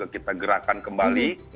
kita gerakan kembali